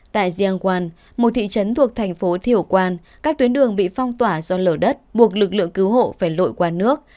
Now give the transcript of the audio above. tại giangwan một thị trấn thuộc thành phố thiểu quan các tuyến đường bị phong tỏa do lở đất buộc lực lượng cứu hộ phải lội qua nước